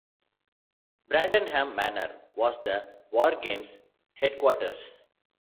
Bradenham Manor was the Wargames' Headquarters.